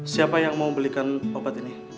siapa yang mau belikan obat ini